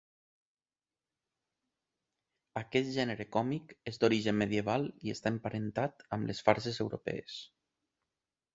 Aquest gènere còmic és d'origen medieval i està emparentat amb les farses europees.